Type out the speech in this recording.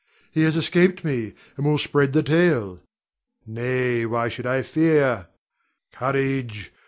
He has escaped me, and will spread the tale. Nay, why should I fear? Courage!